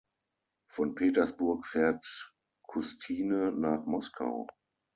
Von Petersburg fährt Custine nach Moskau.